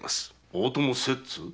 大友摂津？